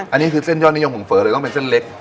อันนี้คือเส้นยอดนิยมผมเฝอเลยต้องเป็นเส้นเล็ก